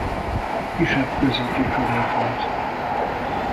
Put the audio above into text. Kisebb közúti csomópont.